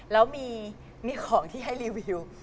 แล้วมีของที่ให้รีวิว